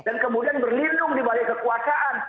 kemudian berlindung di balik kekuasaan